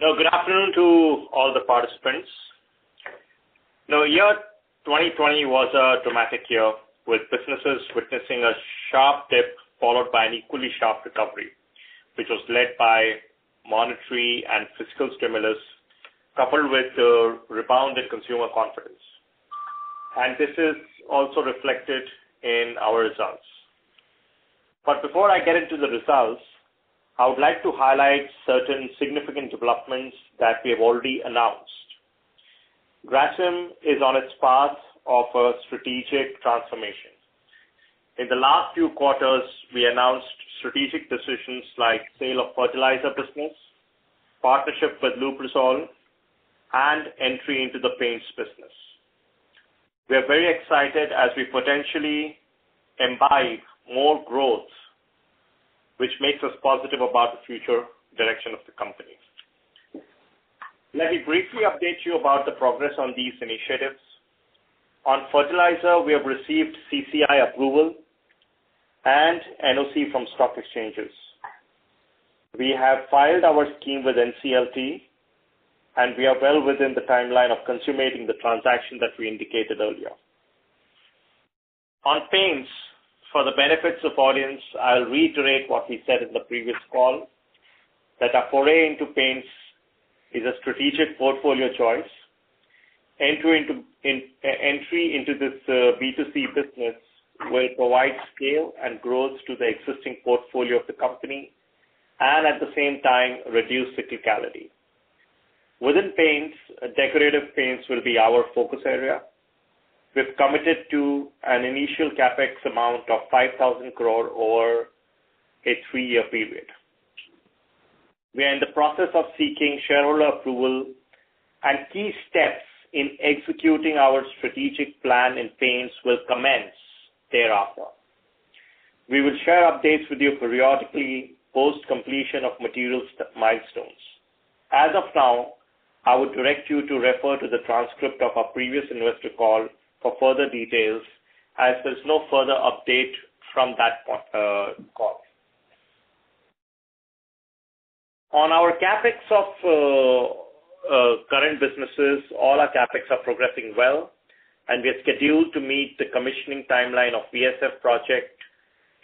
Good afternoon to all the participants. Year 2020 was a dramatic year, with businesses witnessing a sharp dip followed by an equally sharp recovery, which was led by monetary and fiscal stimulus, coupled with a rebound in consumer confidence. This is also reflected in our results. Before I get into the results, I would like to highlight certain significant developments that we have already announced. Grasim is on its path of a strategic transformation. In the last few quarters, we announced strategic decisions like sale of fertilizer business, partnership with Lubrizol, and entry into the paints business. We are very excited as we potentially imbibe more growth, which makes us positive about the future direction of the company. Let me briefly update you about the progress on these initiatives. On fertilizer, we have received CCI approval and NOC from stock exchanges. We have filed our scheme with NCLT, and we are well within the timeline of consummating the transaction that we indicated earlier. On paints, for the benefits of audience, I'll reiterate what we said in the previous call, that our foray into paints is a strategic portfolio choice. Entry into this B2C business will provide scale and growth to the existing portfolio of the company, and at the same time, reduce cyclicality. Within paints, decorative paints will be our focus area. We've committed to an initial CapEx amount of 5,000 crore over a three-year period. We are in the process of seeking shareholder approval, and key steps in executing our strategic plan in paints will commence thereafter. We will share updates with you periodically, post completion of material milestones. As of now, I would direct you to refer to the transcript of our previous investor call for further details, as there's no further update from that call. On our CapEx of current businesses, all our CapEx are progressing well, and we are scheduled to meet the commissioning timeline of VSF project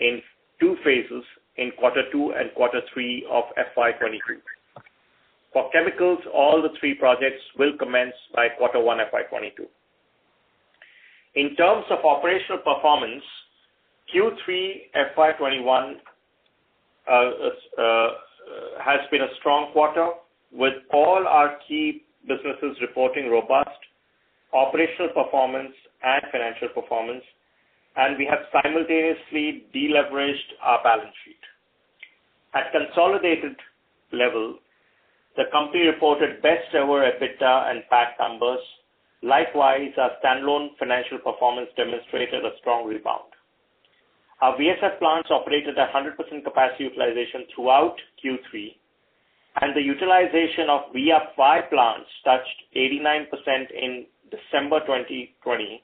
in two phases in quarter two and quarter three of FY 2023. For chemicals, all the three projects will commence by quarter one FY 2022. In terms of operational performance, Q3 FY 2021 has been a strong quarter with all our key businesses reporting robust operational performance and financial performance, and we have simultaneously deleveraged our balance sheet. At consolidated level, the company reported best ever EBITDA and PAT numbers. Likewise, our standalone financial performance demonstrated a strong rebound. Our VSF plants operated at 100% capacity utilization throughout Q3, and the utilization of VFY plants touched 89% in December 2020,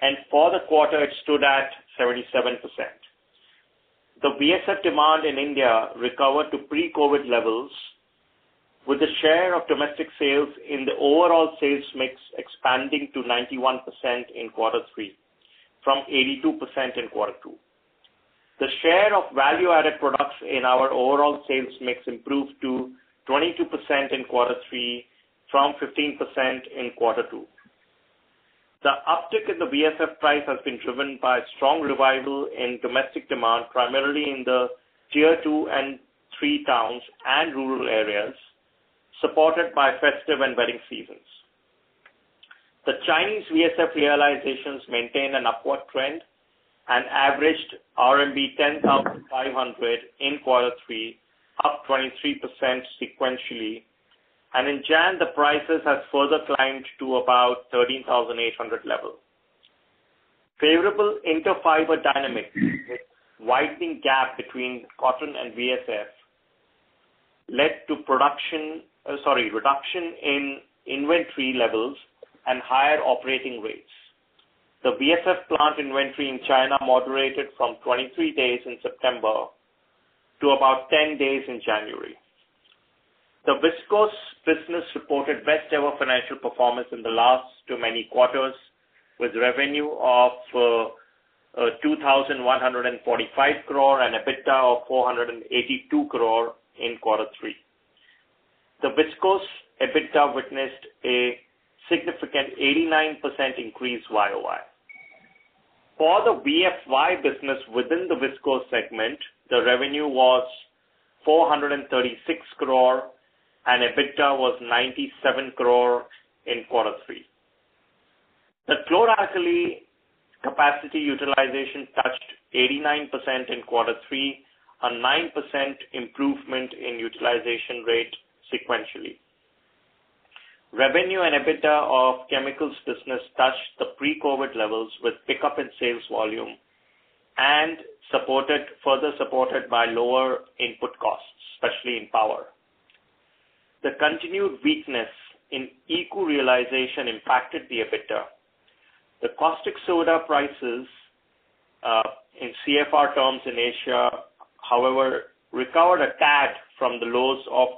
and for the quarter, it stood at 77%. The VSF demand in India recovered to pre-COVID levels with the share of domestic sales in the overall sales mix expanding to 91% in quarter three from 82% in quarter two. The share of value-added products in our overall sales mix improved to 22% in quarter three from 15% in quarter two. The uptick in the VSF price has been driven by strong revival in domestic demand, primarily in the tier two and three towns and rural areas, supported by festive and wedding seasons. The Chinese VSF realizations maintained an upward trend and averaged RMB 10,500 in quarter three, up 23% sequentially. In January, the prices have further climbed to about 13,800 level. Favorable inter-fiber dynamics with widening gap between cotton and VSF led to reduction in inventory levels and higher operating rates. The VSF plant inventory in China moderated from 23 days in September to about 10 days in January. The viscose business reported best-ever financial performance in the last too many quarters, with revenue of 2,145 crore and EBITDA of 482 crore in quarter three. The viscose EBITDA witnessed a significant 89% increase YoY. For the VFY business within the viscose segment, the revenue was 436 crore and EBITDA was 97 crore in quarter three. The Chlor-alkali capacity utilization touched 89% in quarter three, a 9% improvement in utilization rate sequentially. Revenue and EBITDA of chemicals business touched the pre-COVID levels with pickup in sales volume, and further supported by lower input costs, especially in power. The continued weakness in ECU realization impacted the EBITDA. The caustic soda prices in CFR terms in Asia, however, recovered a tad from the lows of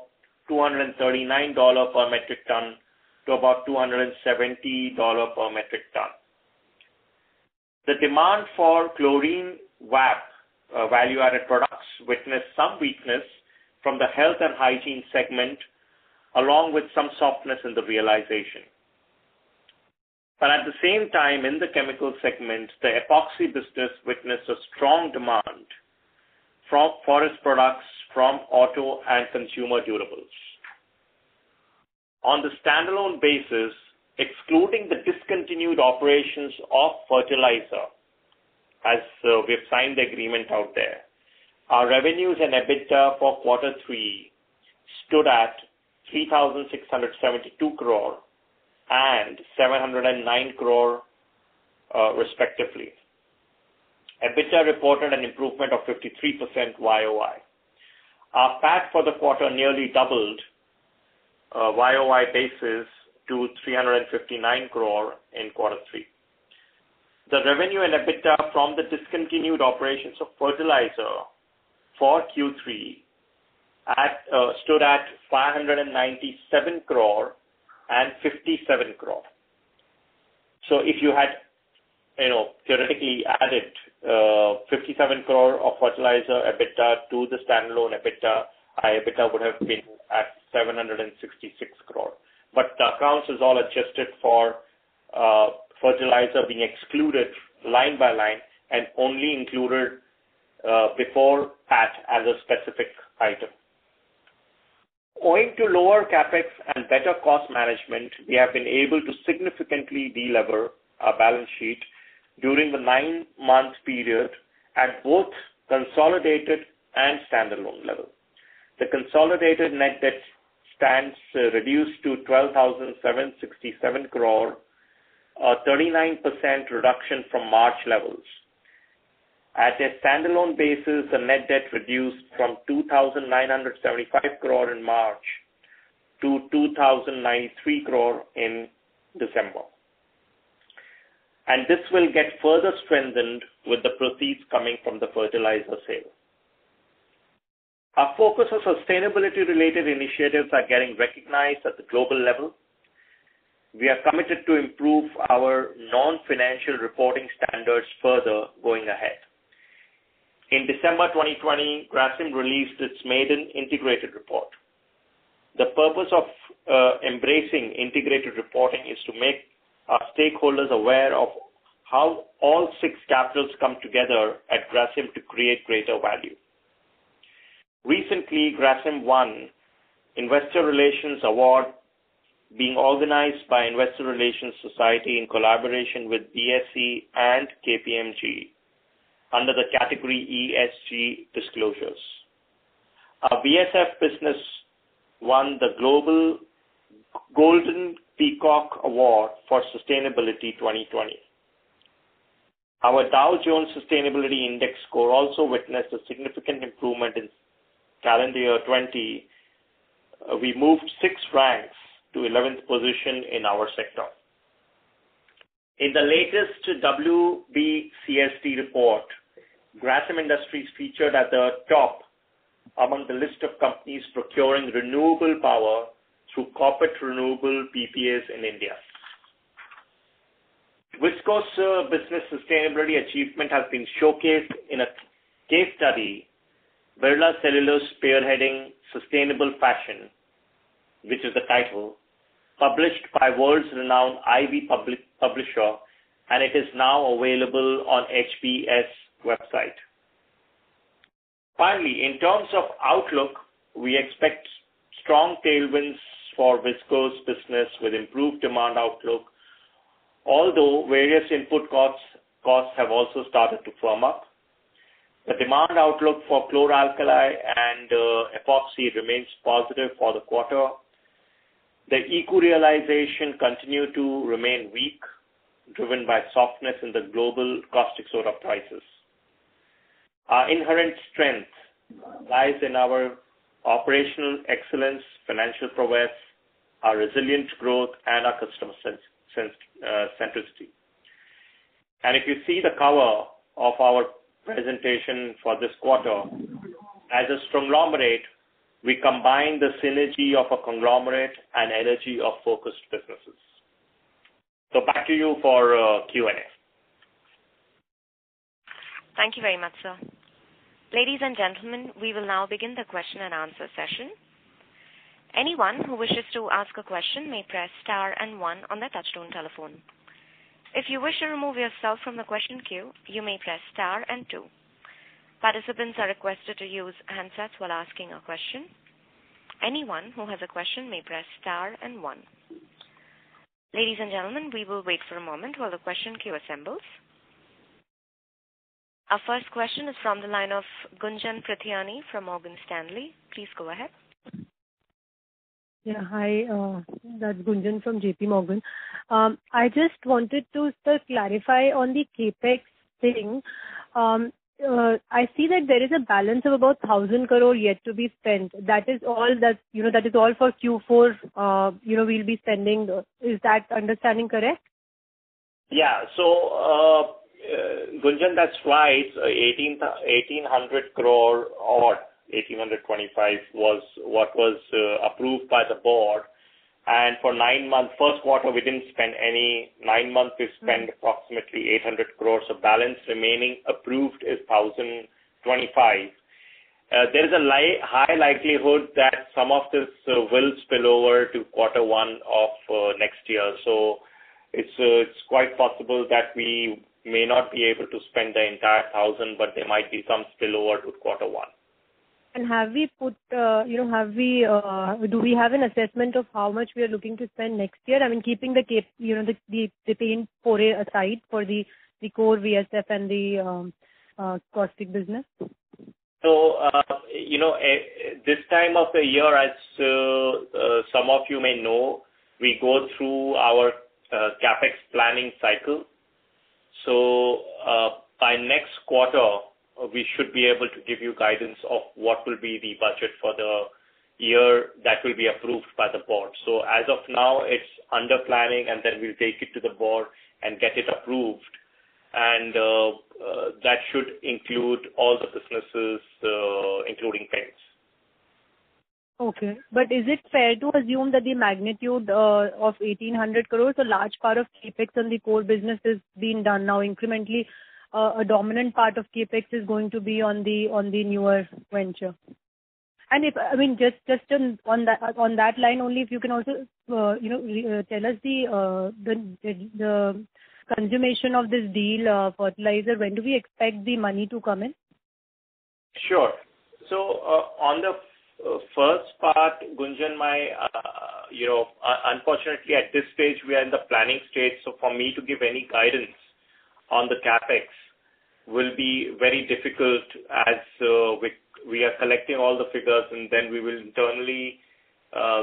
$239 per metric ton to about $270 per metric ton. The demand for chlorine VAP, value added products, witnessed some weakness from the health and hygiene segment, along with some softness in the realization. At the same time, in the chemical segment, the epoxy business witnessed a strong demand for its products from auto and consumer durables. On the standalone basis, excluding the discontinued operations of fertilizer, as we have signed the agreement out there, our revenues and EBITDA for quarter three stood at 3,672 crore and 709 crore respectively. EBITDA reported an improvement of 53% YoY. Our PAT for the quarter nearly doubled YoY basis to 359 crore in quarter three. The revenue and EBITDA from the discontinued operations of fertilizer for Q3 stood at 597 crore and 57 crore. If you had theoretically added 57 crore of fertilizer EBITDA to the standalone EBITDA, our EBITDA would have been at 766 crore. The accounts is all adjusted for fertilizer being excluded line by line and only included before PAT as a specific item. Owing to lower CapEx and better cost management, we have been able to significantly de-lever our balance sheet during the nine-month period at both consolidated and standalone level. The consolidated net debt stands reduced to 12,767 crore, a 39% reduction from March levels. At a standalone basis, the net debt reduced from 2,975 crore in March to 2,093 crore in December. This will get further strengthened with the proceeds coming from the fertilizer sale. Our focus on sustainability related initiatives are getting recognized at the global level. We are committed to improve our non-financial reporting standards further going ahead. In December 2020, Grasim released its maiden integrated report. The purpose of embracing integrated reporting is to make our stakeholders aware of how all six capitals come together at Grasim to create greater value. Recently, Grasim won Investor Relations Award being organized by Investor Relations Society in collaboration with BSE and KPMG under the category ESG disclosures. Our VSF business won the Golden Peacock Global Award for Sustainability 2020. Our Dow Jones Sustainability Index score also witnessed a significant improvement in calendar year 2020. We moved six ranks to 11th position in our sector. In the latest WBCSD report, Grasim Industries featured at the top among the list of companies procuring renewable power through corporate renewable PPAs in India. Viscose business sustainability achievement has been showcased in a case study, Birla Cellulose Spearheading Sustainable Fashion, which is the title, published by world's renowned Ivy Publisher. It is now available on HBS website. Finally, in terms of outlook, we expect strong tailwinds for viscose business with improved demand outlook, although various input costs have also started to firm up. The demand outlook for Chlor-alkali and epoxy remains positive for the quarter. The ECU realization continue to remain weak, driven by softness in the global caustic soda prices. Our inherent strength lies in our operational excellence, financial prowess, our resilient growth, and our customer centricity. If you see the cover of our presentation for this quarter, as a stronglomerate, we combine the synergy of a conglomerate and energy of focused businesses. Back to you for Q&A. Thank you very much, sir. Ladies and gentlemen, we will now begin the question and answer session. Anyone who wishes to ask a question may press star and one on their touch-tone telephone. If you wish to remove yourself from the question queue, you may press star and two. Participants are requested to use handsets while asking a question. Anyone who has a question may press star and one. Ladies and gentlemen, we will wait for a moment while the question queue assembles. Our first question is from the line of Gunjan Prithyani from Morgan Stanley. Please go ahead. Yeah. Hi, that's Gunjan from JPMorgan. I just wanted to, sir, clarify on the CapEx thing. I see that there is a balance of about 1,000 crore yet to be spent. That is all for Q4, we'll be spending. Is that understanding correct? Gunjan, that's why 1,800 crore or 1,825 crore was what was approved by the board. For nine months, first quarter, we didn't spend any. Nine months, we spent approximately 800 crore. Balance remaining approved is 1,025 crore. There's a high likelihood that some of this will spill over to quarter one of next year. It's quite possible that we may not be able to spend the entire 1,000 crore, but there might be some spillover to quarter one. Do we have an assessment of how much we are looking to spend next year? I mean, keeping the paints foray aside for the core VSF and the caustic business. This time of the year, as some of you may know, we go through our CapEx planning cycle. By next quarter, we should be able to give you guidance of what will be the budget for the year that will be approved by the board. As of now, it's under planning, and then we'll take it to the board and get it approved. That should include all the businesses, including paints. Okay. Is it fair to assume that the magnitude of 1,800 crore, a large part of CapEx on the core business is being done now incrementally, a dominant part of CapEx is going to be on the newer venture. Just on that line only, if you can also tell us the consummation of this deal, fertilizer, when do we expect the money to come in? Sure. On the first part, Gunjan, unfortunately, at this stage, we are in the planning stage. For me to give any guidance on the CapEx will be very difficult as we are collecting all the figures and then we will internally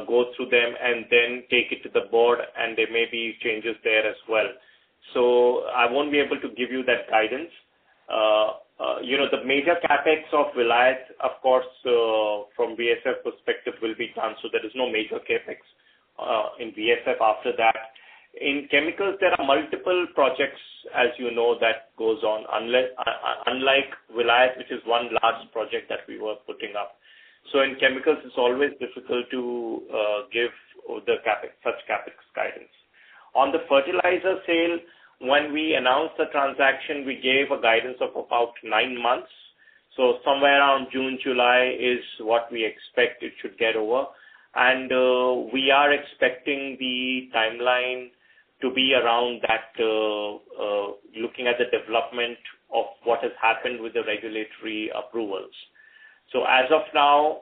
go through them and then take it to the board, and there may be changes there as well. I won't be able to give you that guidance. The major CapEx of Vilayat, of course, from VSF perspective, will be done. There is no major CapEx in VSF after that. In chemicals, there are multiple projects, as you know, that goes on, unlike Vilayat, which is one large project that we were putting up. In chemicals, it's always difficult to give such CapEx guidance. On the fertilizer sale, when we announced the transaction, we gave a guidance of about nine months. Somewhere around June, July is what we expect it should get over. We are expecting the timeline to be around that, looking at the development of what has happened with the regulatory approvals. As of now,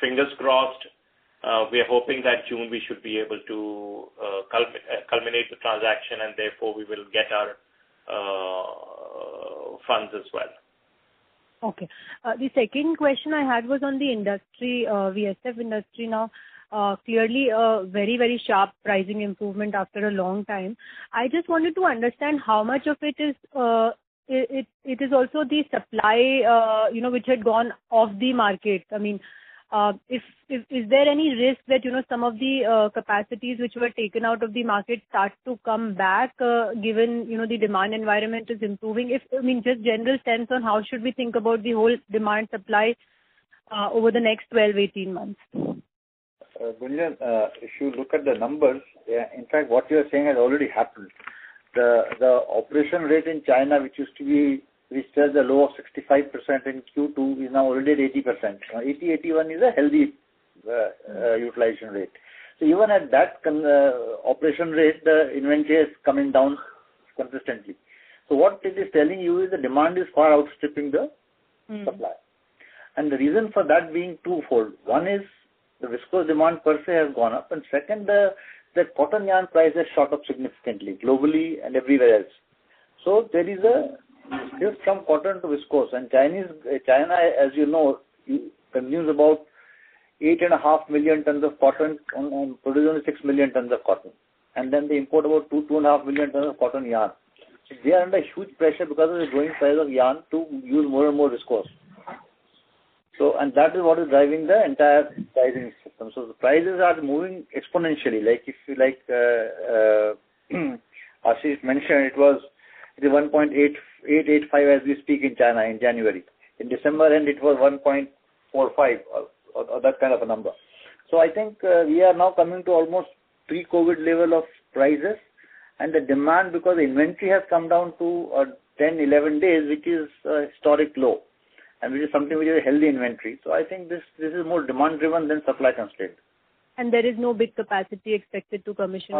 fingers crossed, we are hoping that June we should be able to culminate the transaction, and therefore we will get our funds as well. Okay. The second question I had was on the VSF industry now. Clearly a very very sharp pricing improvement after a long time. I just wanted to understand how much of it is also the supply which had gone off the market. I mean, is there any risk that some of the capacities which were taken out of the market start to come back given the demand environment is improving? I mean, just general sense on how should we think about the whole demand supply over the next 12, 18 months. Gunjan, if you look at the numbers, in fact, what you are saying has already happened. The operation rate in China, which touched a low of 65% in Q2, is now already at 80%. Now, 80%, 81% is a healthy utilization rate. Even at that operation rate, the inventory is coming down consistently. What it is telling you is the demand is far outstripping the supply. The reason for that being twofold. One is the viscose demand per se has gone up, and second, the cotton yarn price has shot up significantly, globally and everywhere else. There is a shift from cotton to viscose. China, as you know, consumes about 8.5 million tons of cotton and produces only 6 million tons of cotton. Then they import about 2.5 million tons of cotton yarn. They are under huge pressure because of the growing price of yarn to use more and more viscose. That is what is driving the entire pricing system. The prices are moving exponentially. If you like, Ashish mentioned it was [1.8-1.85] as we speak in China in January. In December end, it was 1.45 or that kind of a number. I think we are now coming to almost pre-COVID level of prices and the demand because the inventory has come down to 10, 11 days, which is a historic low and which is something which is a healthy inventory. I think this is more demand-driven than supply constraint. There is no big capacity expected to commission?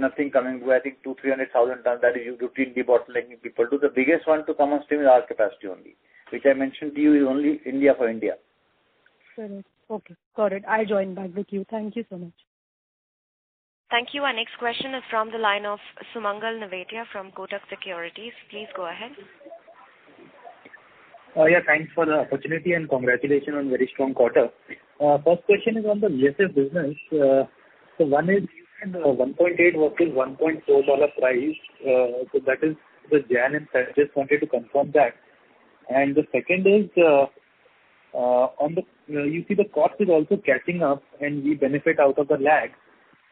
Nothing coming. I think 200,000-300,000 tons that is routine debottlenecking people do. The biggest one to come on stream is our capacity only, which I mentioned to you is only India for India. Fair enough. Okay, got it. I'll join back with you. Thank you so much. Thank you. Our next question is from the line of Sumangal Nevatia from Kotak Securities. Please go ahead. Yeah. Thanks for the opportunity and congratulations on very strong quarter. First question is on the VSF business. One is you said $1.8 versus $1.4 price. That is the January, and I just wanted to confirm that. The second is, you see the cost is also catching up and we benefit out of the lag.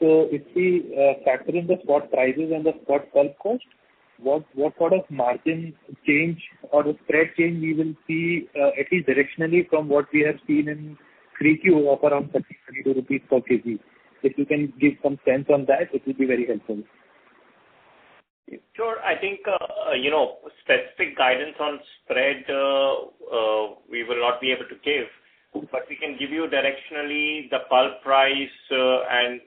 If we factor in the spot prices and the spot pulp cost, what sort of margin change or spread change we will see, at least directionally from what we have seen in 3Q of around 30 rupees, INR 32 per kg? If you can give some sense on that, it will be very helpful. Sure. I think, specific guidance on spread, we will not be able to give, but we can give you directionally the pulp price and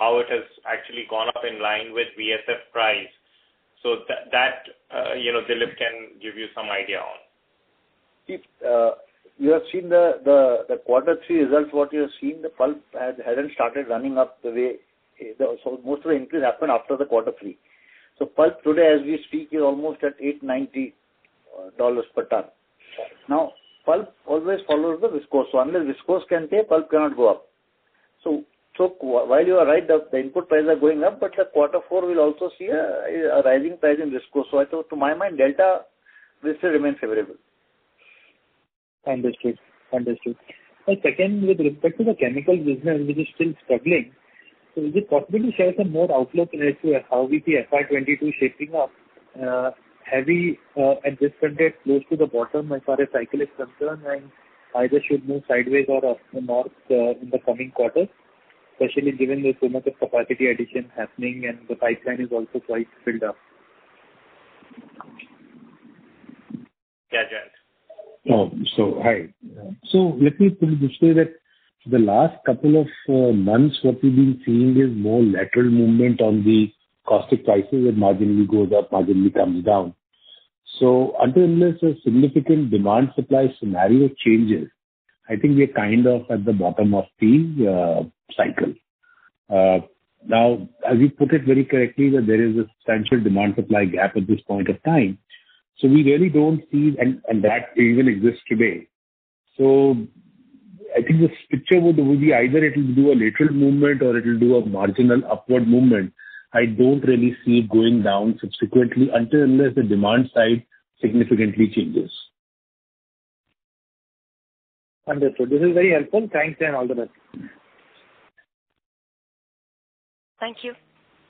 how it has actually gone up in line with VSF price. That, Dilip can give you some idea on. You have seen the quarter three results. What you have seen, the pulp hasn't started running up the way. Most of the increase happened after the quarter three. Pulp today as we speak is almost at $890 per ton. Pulp always follows the viscose. Unless viscose can take, pulp cannot go up. While you are right that the input prices are going up, but the quarter four will also see a rising price in viscose. I thought to my mind, delta will still remain favorable. Understood. Second, with respect to the chemical business which is still struggling, is it possible to share some more outlook as to how we see FY 2022 shaping up? Have we at this point, hit close to the bottom as far as cycle is concerned, and either should move sideways or north in the coming quarters, especially given there's so much of capacity addition happening and the pipeline is also quite filled up. Yeah, Jayant. Hi. Let me put it this way that the last couple of months what we've been seeing is more lateral movement on the caustic prices. When margin goes up, margin comes down. Until unless a significant demand supply scenario changes, I think we are at the bottom of the cycle. As you put it very correctly, that there is a substantial demand supply gap at this point of time. We really don't see. That even exists today. I think the picture would be either it will do a lateral movement or it will do a marginal upward movement. I don't really see it going down subsequently until unless the demand side significantly changes. Understood. This is very helpful. Thanks and all the best. Thank you.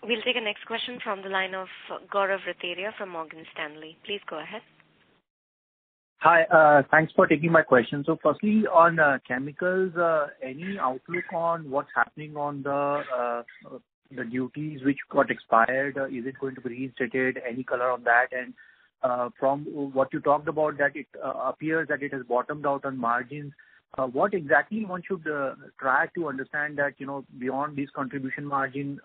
We'll take the next question from the line of Gaurav Rateria from Morgan Stanley. Please go ahead. Hi. Thanks for taking my question. Firstly, on chemicals, any outlook on what's happening on the duties which got expired? Is it going to be reinstated? Any color on that? From what you talked about that it appears that it has bottomed out on margins. What exactly one should try to understand that beyond this contribution margin,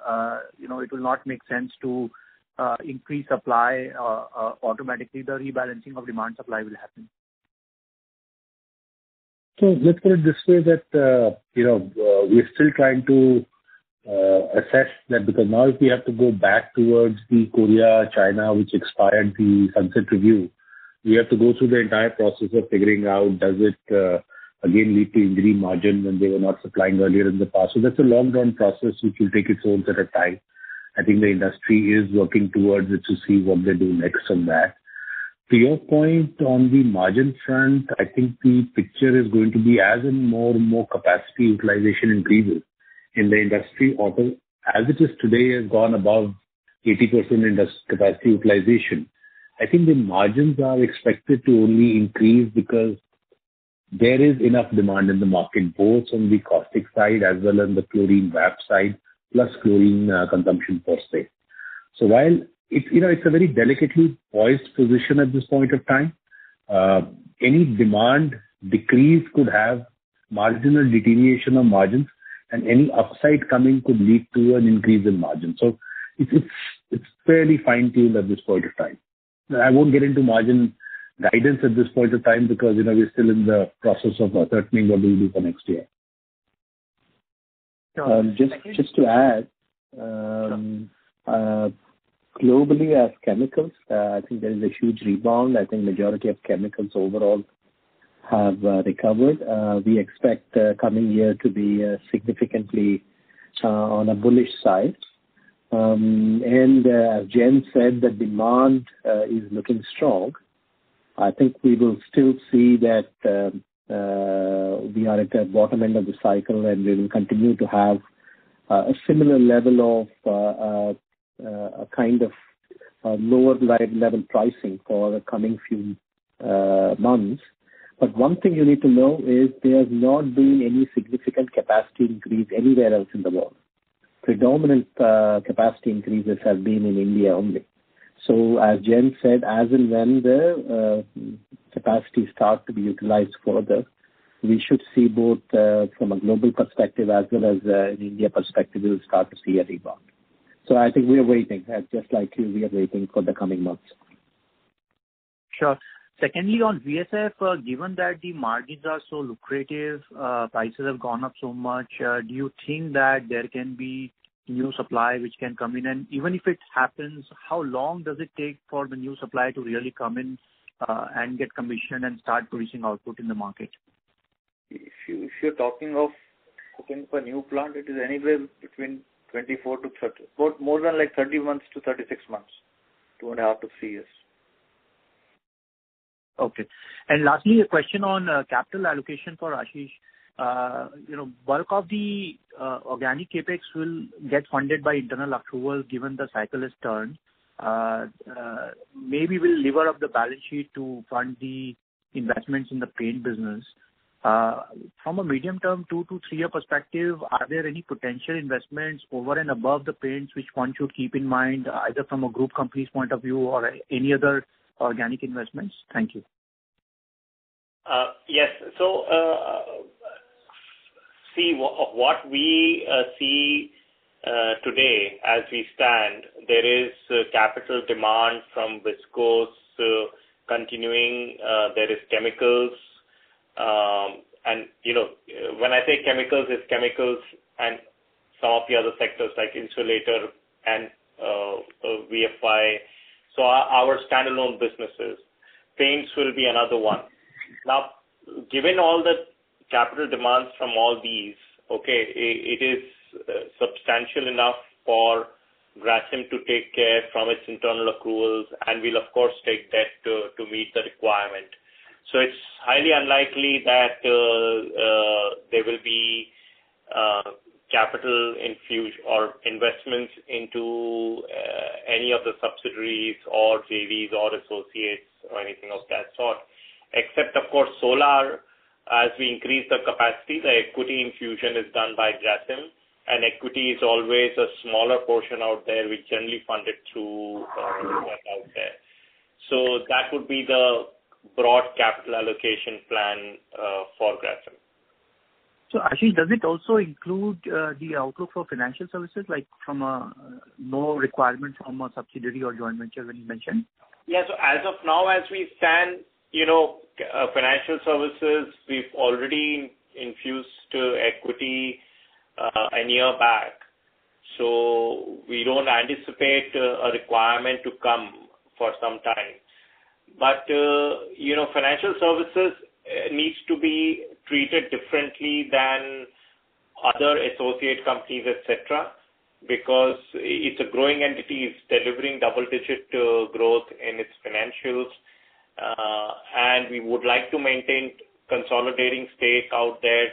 it will not make sense to increase supply automatically, the rebalancing of demand supply will happen? Let's put it this way that we're still trying to assess that because now if we have to go back towards the Korea, China, which expired the sunset review. We have to go through the entire process of figuring out does it again lead to injury margin when they were not supplying earlier in the past. That's a long run process which will take its own set of time. I think the industry is working towards it to see what they do next on that. To your point on the margin front, I think the picture is going to be as in more and more capacity utilization increases in the industry. Although as it is today, has gone above 80% capacity utilization. I think the margins are expected to only increase because there is enough demand in the market both on the caustic side as well as the chlorine VAP side, plus chlorine consumption per se. While it's a very delicately poised position at this point of time, any demand decrease could have marginal deterioration of margins and any upside coming could lead to an increase in margin. It's fairly fine-tuned at this point of time. I won't get into margin guidance at this point of time because we're still in the process of ascertaining what we will do for next year. Sure. Thank you. Just to add, globally as chemicals, there is a huge rebound. Majority of chemicals overall have recovered. We expect coming year to be significantly on a bullish side. As Jayant said, the demand is looking strong. We will still see that we are at the bottom end of the cycle and we will continue to have a similar level of lower level pricing for the coming few months. One thing you need to know is there's not been any significant capacity increase anywhere else in the world. Predominant capacity increases have been in India only. As Jayant said, as and when the capacity start to be utilized further, we should see both from a global perspective as well as an India perspective, we will start to see a rebound. We are waiting. Just like you, we are waiting for the coming months. Sure. On VSF, given that the margins are so lucrative, prices have gone up so much, do you think that there can be new supply which can come in? Even if it happens, how long does it take for the new supply to really come in and get commissioned and start producing output in the market? If you're talking of opening up a new plant, it is anywhere between 24-30. More than 30 months to 36 months. Two and a half to three years. Okay. Lastly, a question on capital allocation for Ashish. Bulk of the organic CapEx will get funded by internal accrual given the cycle's turn. Maybe we'll lever up the balance sheet to fund the investments in the paint business. From a medium-term, two to three year perspective, are there any potential investments over and above the paints which one should keep in mind, either from a group company's point of view or any other organic investments? Thank you. Yes. What we see today as we stand, there is capital demand from viscose continuing. There is chemicals. When I say chemicals, it's chemicals and some of the other sectors like insulator and VFY. Our standalone businesses. Paints will be another one. Given all the capital demands from all these, okay, it is substantial enough for Grasim to take care from its internal accruals, and we'll of course take debt to meet the requirement. It's highly unlikely that there will be capital infuse or investments into any of the subsidiaries or JVs or associates or anything of that sort. Except, of course, solar. As we increase the capacity, the equity infusion is done by Grasim, and equity is always a smaller portion out there. We generally fund it through out there. That would be the broad capital allocation plan for Grasim. Ashish, does it also include the outlook for financial services, like from a no requirement from a subsidiary or joint venture when you mentioned? As of now, as we stand, financial services, we've already infused equity a year back. We don't anticipate a requirement to come for some time. Financial services needs to be treated differently than other associate companies, et cetera, because it's a growing entity. It's delivering double-digit growth in its financials. We would like to maintain consolidating stake out there.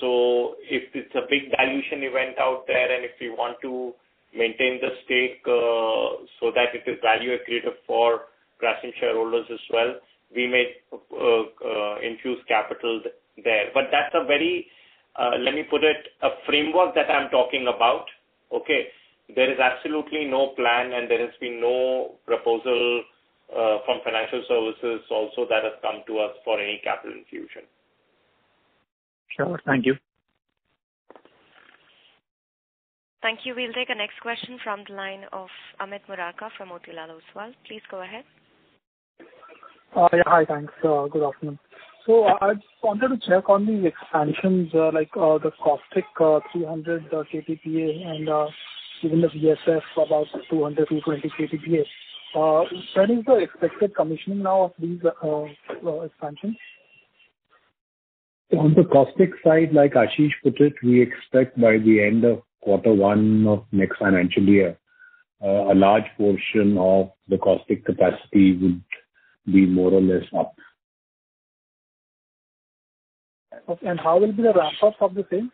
If it's a big dilution event out there, and if we want to maintain the stake so that it is value accretive for Grasim shareholders as well, we may infuse capital there. That's a very, let me put it, a framework that I'm talking about, okay? There is absolutely no plan and there has been no proposal from financial services also that has come to us for any capital infusion. Sure. Thank you. Thank you. We'll take the next question from the line of Amit Murarka from Motilal Oswal. Please go ahead. Hi, thanks. Good afternoon. I just wanted to check on the expansions, like the caustic 300 KTPA and even the VSF about 200-220 KTPA. When is the expected commissioning now of these expansions? On the caustic side, like Ashish put it, we expect by the end of quarter one of next financial year a large portion of the caustic capacity would be more or less up. Okay. How will be the ramp-up of the same?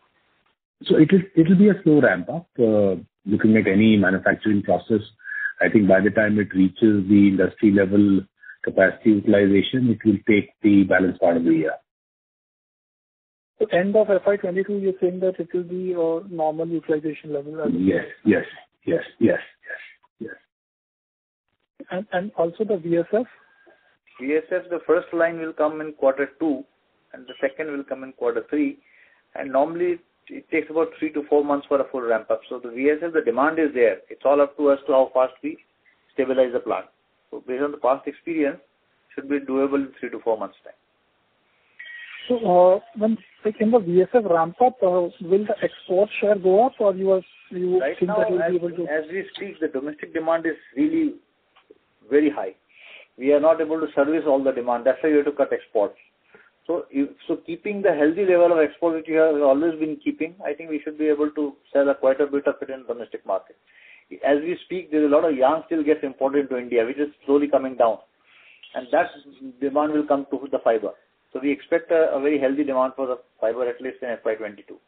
It'll be a slow ramp-up, like with any manufacturing process. I think by the time it reaches the industry level capacity utilization, it will take the balance part of the year. End of FY 2022, you're saying that it will be your normal utilization level? Yes. Also the VSF? VSF, the first line will come in quarter two and the second will come in quarter three. Normally it takes about three to four months for a full ramp-up. The VSF, the demand is there. It's all up to us to how fast we stabilize the plant. Based on the past experience, it should be doable in three to four months time. When speaking of VSF ramp-up, will the export share go up or you think that you'll be able to... Right now, as we speak, the domestic demand is really very high. We are not able to service all the demand. That's why we had to cut exports. Keeping the healthy level of export which we have always been keeping, I think we should be able to sell quite a bit of it in domestic market. As we speak, there's a lot of yarn still gets imported into India, which is slowly coming down. That demand will come to the fiber. We expect a very healthy demand for the fiber at least in FY 2022.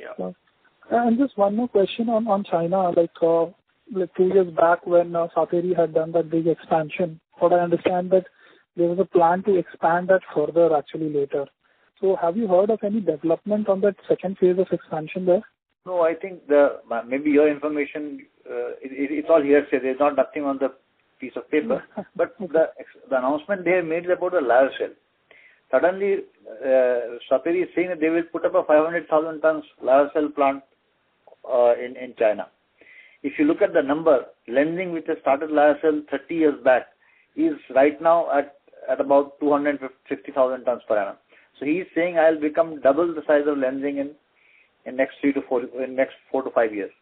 Yeah. Just one more question on China. Two years back when Sateri had done that big expansion, what I understand that there was a plan to expand that further actually later. Have you heard of any development on that second phase of expansion there? No, I think maybe your information, it's all hearsay. There's nothing on the piece of paper. The announcement they have made is about a lyocell. Suddenly, Sateri is saying that they will put up a 500,000 tons lyocell plant in China. If you look at the number, Lenzing, which has started lyocell 30 years back, is right now at about 250,000 tons per annum. He's saying, "I'll become double the size of Lenzing in In the next four to five years."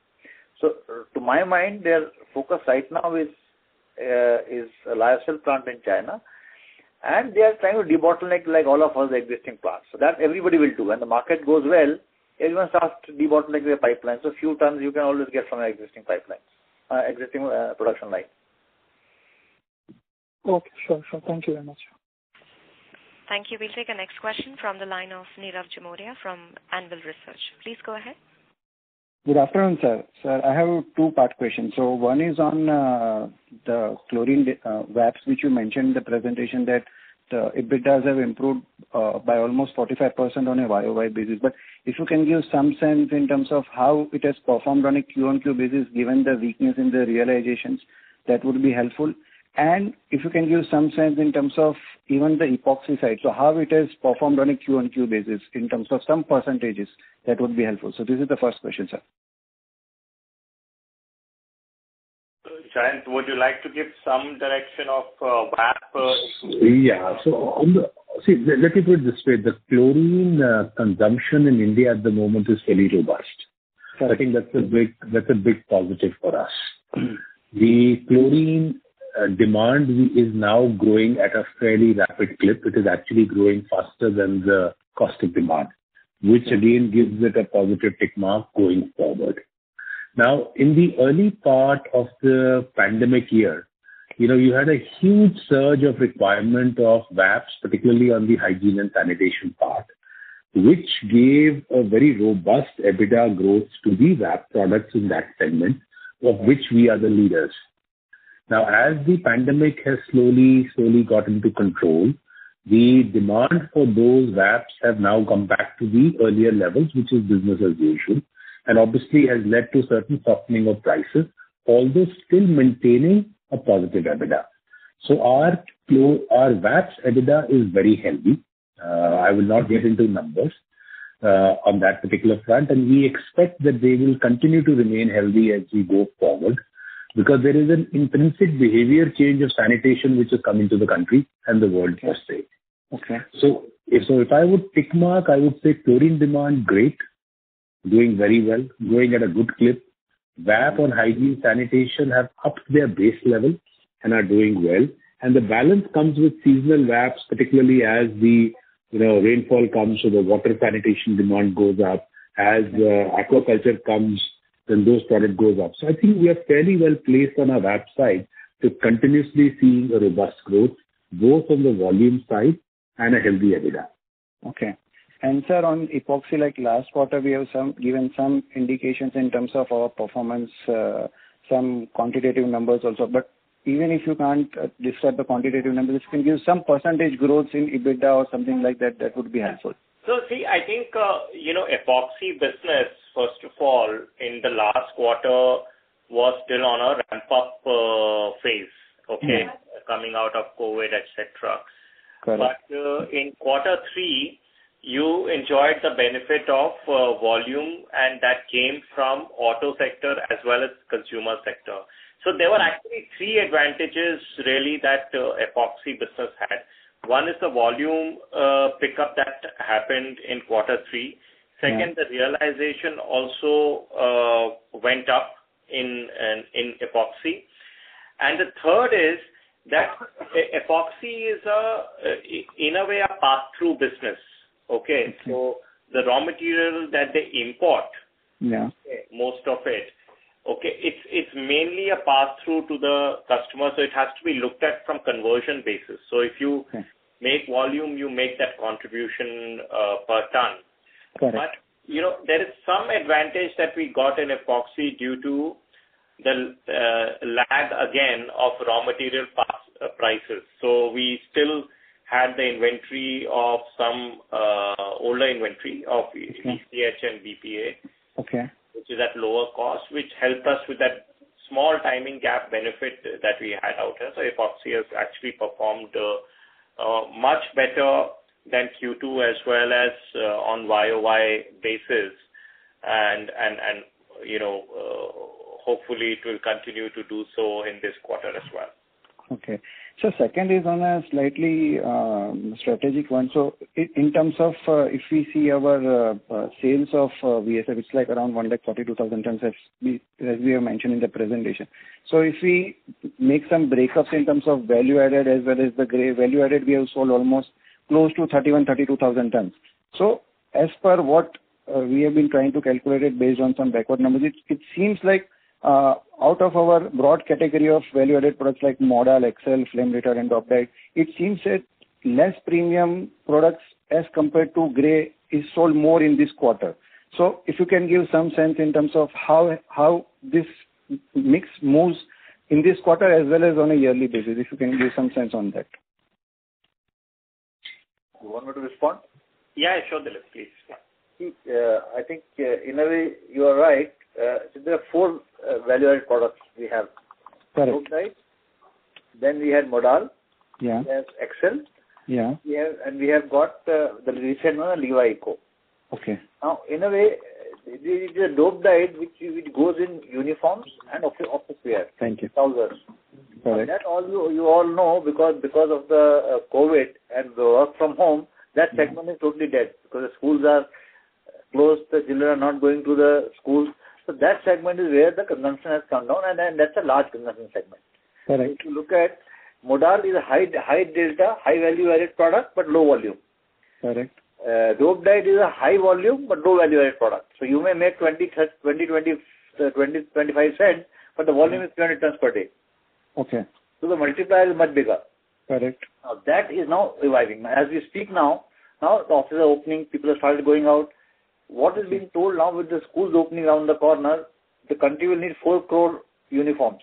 To my mind, their focus right now is a lyocell plant in China, and they are trying to debottleneck all of their existing plants. That everybody will do. When the market goes well, everyone starts to debottleneck their pipelines. A few times you can always get from existing pipelines, existing production line. Okay, sure. Thank you very much. Thank you. We'll take the next question from the line of Nirav Jimudia from Anvil Research. Please go ahead. Good afternoon, sir. Sir, I have a two-part question. One is on the chlorine VAPs, which you mentioned in the presentation that the EBITDAs have improved by almost 45% on a YoY basis. If you can give some sense in terms of how it has performed on a QoQ basis, given the weakness in the realizations, that would be helpful. If you can give some sense in terms of even the epoxy side, how it has performed on a QoQ basis in terms of some percentages, that would be helpful. This is the first question, sir. Jayant, would you like to give some direction of VAP? Yeah. Let me put it this way. The chlorine consumption in India at the moment is fairly robust. Correct. I think that's a big positive for us. The chlorine demand is now growing at a fairly rapid clip. It is actually growing faster than the caustic demand. Again, gives it a positive tick mark going forward. In the early part of the pandemic year, you had a huge surge of requirement of VAPs, particularly on the hygiene and sanitation part, which gave a very robust EBITDA growth to the VAP products in that segment, of which we are the leaders. As the pandemic has slowly slowly gotten to control, the demand for those VAPs have now come back to the earlier levels, which is business as usual, and obviously has led to certain softening of prices, although still maintaining a positive EBITDA. Our VAPs EBITDA is very healthy. I will not get into numbers on that particular front, and we expect that they will continue to remain healthy as we go forward because there is an intrinsic behavior change of sanitation which has come into the country and the world, per se. Okay. If I would tick mark, I would say chlorine demand, great, doing very well, growing at a good clip. VAP on hygiene sanitation have upped their base level and are doing well. The balance comes with seasonal VAPs, particularly as the rainfall comes, so the water sanitation demand goes up. As the aquaculture comes, those products go up. I think we are fairly well placed on our VAP side to continuously seeing a robust growth, both on the volume side and a healthy EBITDA. Okay. Sir, on epoxy, like last quarter, we have given some indications in terms of our performance, some quantitative numbers also. Even if you can't discuss the quantitative numbers, if you can give some percentage growth in EBITDA or something like that would be helpful. See, I think, epoxy business, first of all, in the last quarter, was still on a ramp-up phase, okay? Coming out of COVID, et cetera. Correct. In quarter three, you enjoyed the benefit of volume, and that came from auto sector as well as consumer sector. There were actually three advantages really that the epoxy business had. One is the volume pickup that happened in quarter three. Yeah. Second, the realization also went up in epoxy. The third is that epoxy is, in a way, a pass-through business, okay? The raw material that they import. Yeah. Most of it, okay, it's mainly a pass-through to the customer. It has to be looked at from conversion basis. Okay. If you make volume, you make that contribution per ton. Correct. There is some advantage that we got in epoxy due to the lag again of raw material prices. We still had the inventory of some older inventory of ECH and BPA. Okay. Which is at lower cost, which helped us with that small timing gap benefit that we had out there. Epoxy has actually performed much better than Q2 as well as on YoY basis. Hopefully it will continue to do so in this quarter as well. Okay. Second is on a slightly strategic one. In terms of if we see our sales of VSF, it's around 142,000 tons as we have mentioned in the presentation. If we make some breakups in terms of value added as well as the gray value added, we have sold almost close to 31,000-32,000 tons. As per what we have been trying to calculate it based on some backward numbers, it seems like out of our broad category of value-added products like Modal, Excel, flame retardant, dope-dyed, it seems that less premium products as compared to gray is sold more in this quarter. If you can give some sense in terms of how this mix moves in this quarter as well as on a yearly basis. If you can give some sense on that. You want me to respond? Yeah, sure, Dilip. Please. I think in a way you are right. There are four value-added products we have. Correct. Dope-dyed, then we have Modal. Yeah. We have Excel. Yeah. We have got the recent one, Livaeco. Okay. In a way, the dope-dyed which goes in uniforms and office wear. Thank you. Trousers. Right. That you all know because of the COVID and the work from home, that segment is totally dead because the schools are closed. The children are not going to the school. That segment is where the consumption has come down, and that's a large consumption segment. Correct. If you look at Modal is a high delta, high value-added product, but low volume. Correct. Dope-dyed is a high volume, but low value-added product. You may make $0.20, $0.25, but the volume is 300 tons per day. Okay. The multiplier is much bigger. Correct. Now, that is now reviving. As we speak now the offices are opening, people have started going out. What is being told now with the schools opening around the corner, the country will need 4 crore uniforms.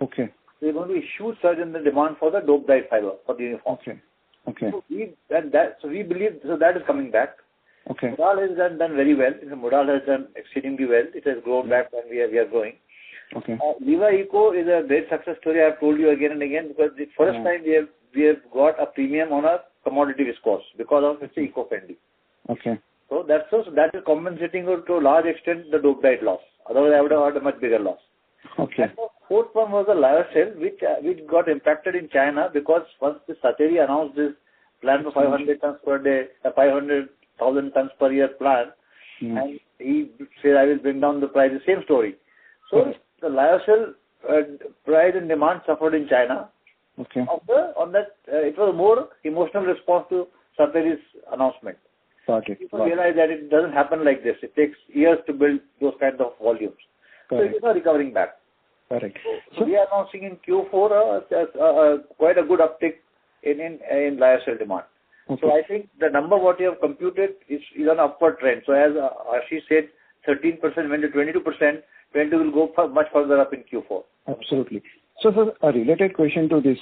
Okay. There's going to be huge surge in the demand for the dope-dyed fiber for the uniforms. Okay. We believe that is coming back. Okay. Modal has done very well. Modal has done exceedingly well. It has grown back and we are growing. Okay. Livaeco is a great success story. I've told you again and again because the first time we have got a premium on our commodity viscose because of its eco-friendly. Okay. That is compensating to a large extent the dope-dyed loss. Otherwise, I would have had a much bigger loss. Okay. Fourth was the lyocell, which got impacted in China because once Sateri announced his plan for 500,000 tons per year plan, and he said, "I will bring down the price," the same story. The lyocell price and demand suffered in China. Okay. On that it was more emotional response to Sateri's announcement. Got it. People realize that it doesn't happen like this. It takes years to build those kinds of volumes. Got it. It is now recovering back. Correct. We are announcing in Q4 quite a good uptick in lyocell demand. Okay. I think the number what you have computed is on upward trend. As Ashish said, 13% went to 22%. 22% will go much further up in Q4. Absolutely. Sir, a related question to this.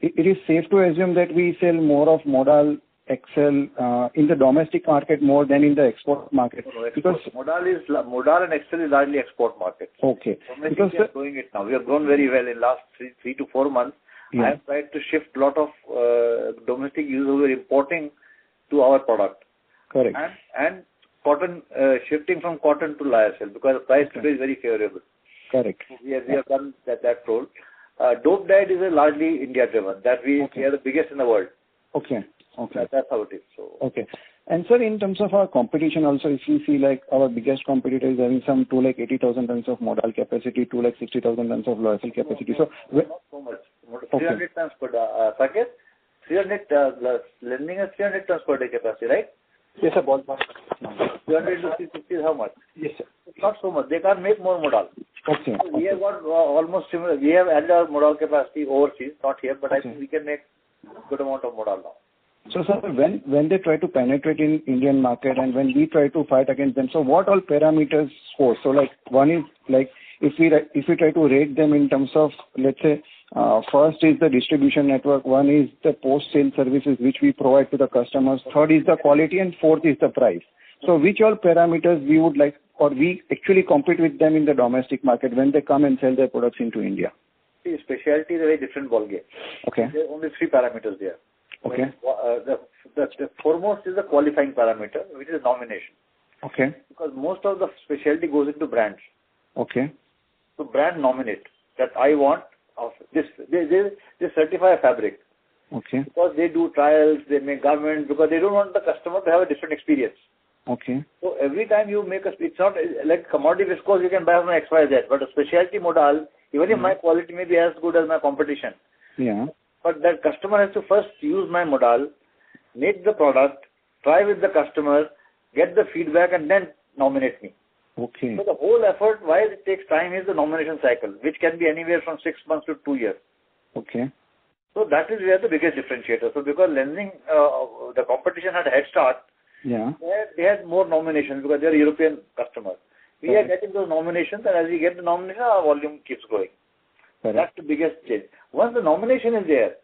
It is safe to assume that we sell more of Modal, Excel in the domestic market more than in the export market? Modal and Excel is largely export market. Okay. Domestic, we are growing it now. We have grown very well in last three to four months. Yeah. I have tried to shift lot of domestic users who were importing to our product. Correct. Shifting from cotton to lyocell, because the price today is very favorable. Correct. We have done that role. Dope-dyed is a largely India driven. That we are the biggest in the world. Okay. That's how it is. Okay. Sir, in terms of our competition also, if you see our biggest competitor is having some 280,000 tons of Modal capacity, 260,000 tons of lyocell capacity. Not so much. Okay. 300 tons per package. Lenzing has 300 tons per day capacity, right? Yes, sir. 200 to 350 is how much? Yes, sir. It's not so much. They can't make more Modal. Okay. We have got almost similar. We have added our Modal capacity overseas, not here. Okay I think we can make good amount of Modal now. Sir, when they try to penetrate in Indian market and when we try to fight against them, what all parameters score? One is if we try to rate them in terms of, let's say, first is the distribution network, one is the post-sale services which we provide to the customers, third is the quality, and fourth is the price. Which all parameters we would like or we actually compete with them in the domestic market when they come and sell their products into India? See, specialty is a very different ball game. Okay. There are only three parameters there. Okay. The foremost is the qualifying parameter, which is nomination. Okay. Most of the specialty goes into brands. Okay. Brand nominate that I want of this. They certify a fabric. Okay. Because they do trials, they make garments, because they don't want the customer to have a different experience. Okay. It's not like commodity viscose you can buy from XYZ. A specialty Modal, even if my quality may be as good as my competition. Yeah. That customer has to first use my Modal, make the product, try with the customer, get the feedback, and then nominate me. Okay. The whole effort, why it takes time is the nomination cycle, which can be anywhere from six months to two years. Okay. That is where the biggest differentiator. Because Lenzing, the competition had a head start. Yeah. They had more nominations because they're European customers. Okay. We are getting those nominations, and as we get the nomination, our volume keeps growing. Correct. That's the biggest change. Once the nomination is there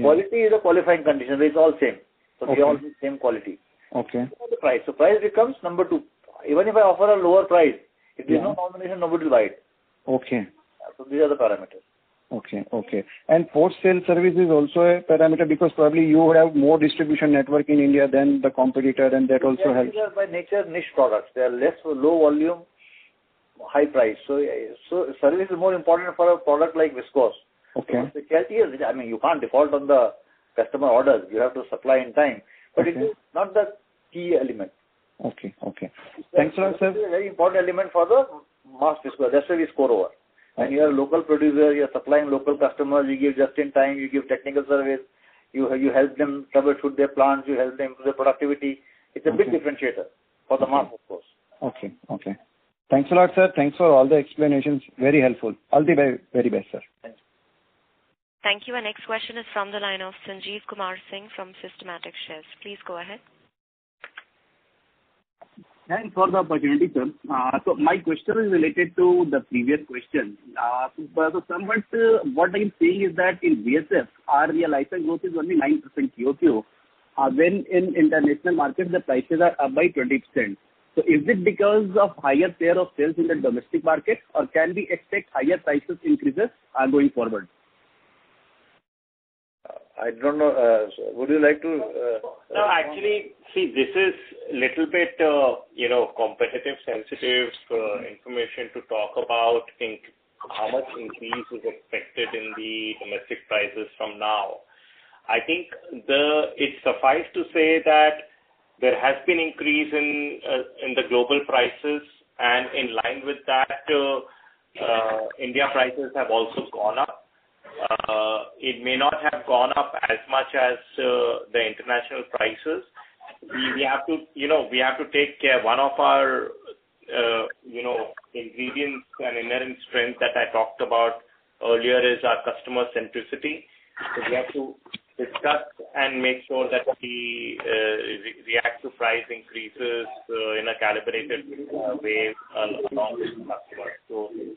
quality is a qualifying condition. It's all same. Okay. We all give same quality. Okay. The price. Price becomes number two. Even if I offer a lower price. Yeah. If there's no nomination, nobody will buy it. Okay. These are the parameters. Okay. Post-sale service is also a parameter because probably you would have more distribution network in India than the competitor, and that also helps. These are by nature niche products. They are less or low volume, high price. Service is more important for a product like viscose. Okay. You can't default on the customer orders. You have to supply in time. Okay. It is not the key element. Okay. Thanks a lot, sir. It's a very important element for the mass viscose. That's where we score over. Okay. When you are a local producer, you are supplying local customers, you give just in time, you give technical service, you help them troubleshoot their plants, you help them with their productivity. Okay. It's a big differentiator for the mass, of course. Okay. Thanks a lot, sir. Thanks for all the explanations. Very helpful. All the very best, sir. Thanks. Thank you. Our next question is from the line of Sanjeev Kumar Singh from Systematix Shares. Please go ahead. Thanks for the opportunity, sir. My question is related to the previous question. Somewhat what I'm seeing is that in VSF, our realized growth is only 9% QoQ, when in international markets, the prices are up by 20%. Is it because of higher share of sales in the domestic market, or can we expect higher prices increases going forward? I don't know. No, actually, see, this is a little bit competitive sensitive information to talk about, I think, how much increase is expected in the domestic prices from now. I think it suffices to say that there has been increase in the global prices, and in line with that, India prices have also gone up. It may not have gone up as much as the international prices. One of our ingredients and inherent strength that I talked about earlier is our customer centricity. We have to discuss and make sure that we react to price increases in a calibrated way along with the customer. Dilip,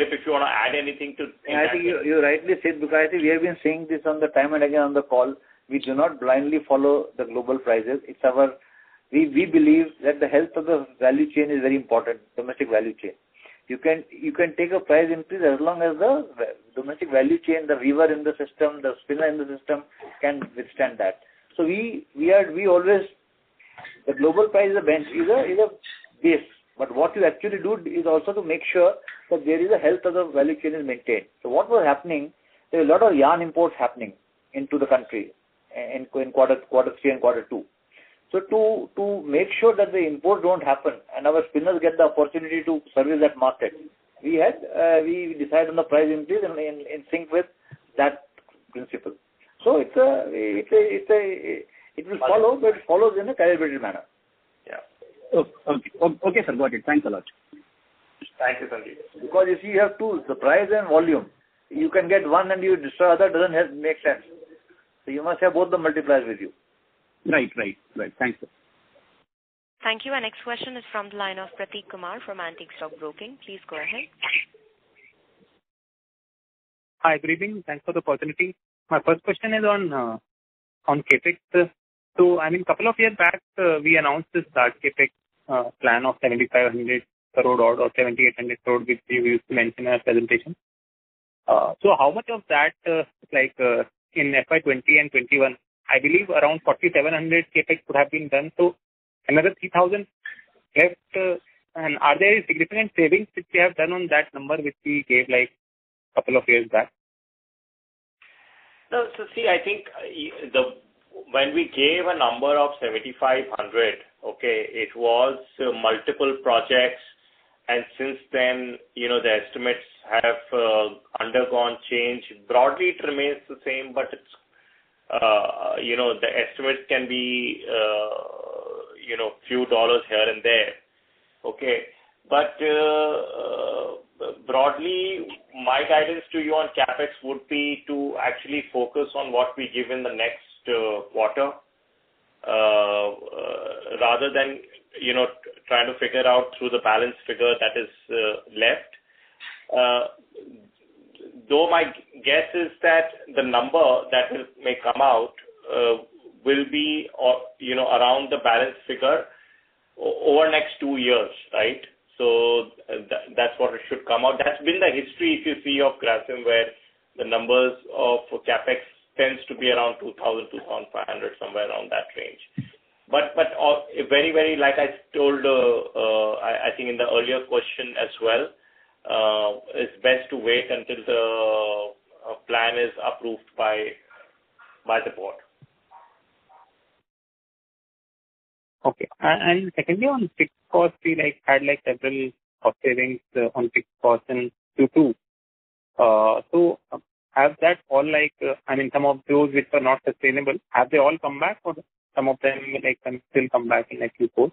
if you want to add anything to that. I think you rightly said, because I think we have been saying this time and again on the call, we do not blindly follow the global prices. We believe that the health of the value chain is very important, domestic value chain. You can take a price increase as long as the domestic value chain, the weaver in the system, the spinner in the system, can withstand that. The global price is a base. What you actually do is also to make sure that the health of the value chain is maintained. What was happening, there were a lot of yarn imports happening into the country in quarter three and quarter two. To make sure that the imports don't happen and our spinners get the opportunity to service that market, we decide on the price increase and sync with that principle. It will follow, but it follows in a calibrated manner. Yeah. Okay, sir. Got it. Thanks a lot. Thank you, Sanjeev. You see you have two, the price and volume. You can get one and you destroy other. Doesn't make sense. You must have both the multipliers with you. Right. Thanks, sir. Thank you. Our next question is from the line of Prateek Kumar from Antique Stock Broking. Please go ahead. Hi, good evening. Thanks for the opportunity. My first question is on CapEx. I mean, a couple of years back, we announced this large CapEx plan of INR 7,500 crore or INR 7,800 crore, which we used to mention in our presentation. How much of that in FY 2020 and 2021, I believe around 4,700 CapEx could have been done, so another 3,000 left. Are there significant savings which we have done on that number, which we gave couple of years back? See, I think when we gave a number of 7,500, okay, it was multiple projects, and since then the estimates have undergone change. Broadly, it remains the same, but the estimates can be a few dollars here and there. Okay. Broadly, my guidance to you on CapEx would be to actually focus on what we give in the next quarter, rather than trying to figure out through the balance figure that is left. My guess is that the number that may come out will be around the balance figure over the next two years. Right? That's what it should come out. That's been the history, if you see, of Grasim, where the numbers of CapEx tends to be around 2,000-1,500, somewhere around that range. Like I told, I think in the earlier question as well, it's best to wait until the plan is approved by the board. Okay. Secondly, on fixed cost, we had several cost savings on fixed cost in Q2. Have some of those which were not sustainable, have they all come back or some of them may still come back in Q4?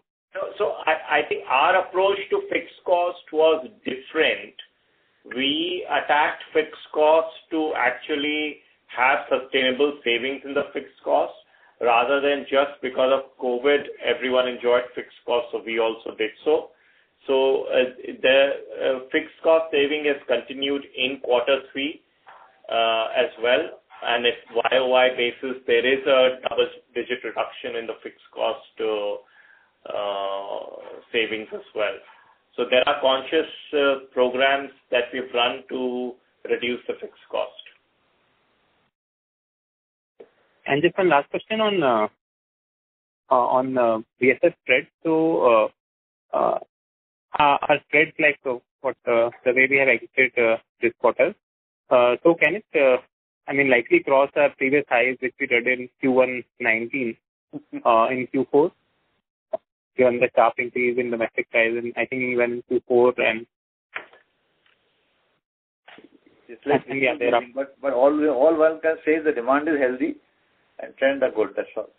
I think our approach to fixed cost was different. We attacked fixed costs to actually have sustainable savings in the fixed costs rather than just because of COVID, everyone enjoyed fixed costs, so we also did so. The fixed cost saving has continued in quarter three as well, and if YoY basis, there is a double-digit reduction in the fixed cost savings as well. There are conscious programs that we've run to reduce the fixed cost. Just one last question on VSF spread. Our spreads, like for the way we have exited this quarter, can it likely cross our previous highs, which we did in Q1 2019, in Q4? Given the tariff increase in domestic side, and I think even Q4. All one can say is the demand is healthy and trends are good, that's all.